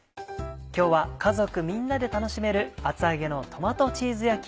今日は家族みんなで楽しめる「厚揚げのトマトチーズ焼き」。